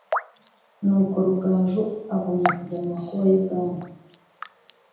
nuko rugaju agumya kujya mu makuba y'ibwami,